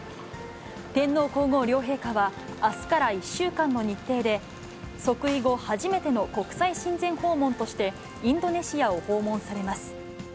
天皇皇后両陛下は、あすから１週間の日程で、即位後初めての国際親善訪問としてインドネシアを訪問されます。